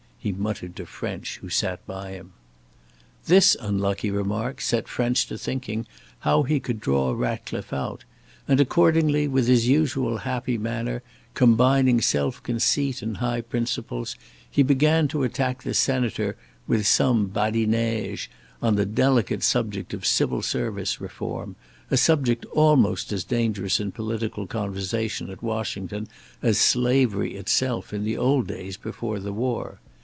he muttered to French, who sat by him. This unlucky remark set French to thinking how he could draw Ratcliffe out, and accordingly, with his usual happy manner, combining self conceit and high principles, he began to attack the Senator with some "badinaige" on the delicate subject of Civil Service Reform, a subject almost as dangerous in political conversation at Washington as slavery itself in old days before the war.